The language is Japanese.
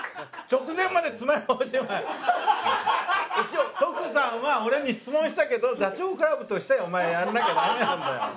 一応徳さんは俺に質問したけどダチョウ倶楽部としてお前やんなきゃダメなんだよ。